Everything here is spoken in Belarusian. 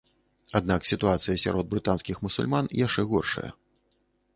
Аднак сітуацыя сярод брытанскіх мусульман яшчэ горшая.